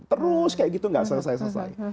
terus kayak gitu gak selesai selesai